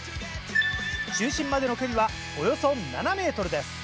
中心までの距離はおよそ７ｍです。